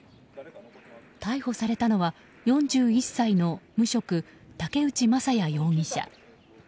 逮捕されたのは４１歳の無職竹内雅也容疑者。